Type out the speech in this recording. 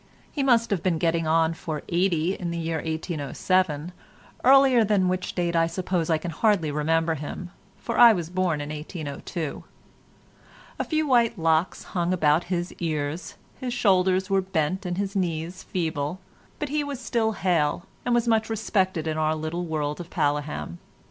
He must have been getting on for eighty in the year 1807, earlier than which date I suppose I can hardly remember him, for I was born in 1802. A few white locks hung about his ears, his shoulders were bent and his knees feeble, but he was still hale, and was much respected in our little world of Paleham.